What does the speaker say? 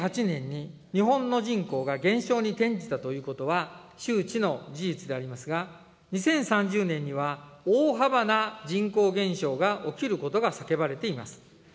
２００８年に、日本の人口が減少に転じたということは周知の事実でありますが、２０３０年には大幅な人口減少が起きることが叫ばれています。